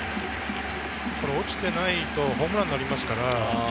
落ちてないとホームランになりますから。